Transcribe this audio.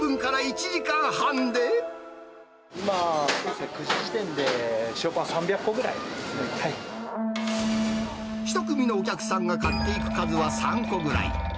今、１組のお客さんが買っていく数は３個ぐらい。